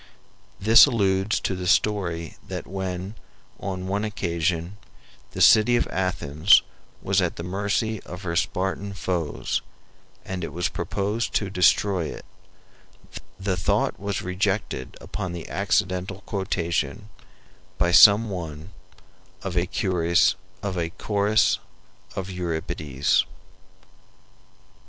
This alludes to the story that when, on one occasion, the city of Athens was at the mercy of her Spartan foes, and it was proposed to destroy it, the thought was rejected upon the accidental quotation, by some one, of a chorus of Euripides.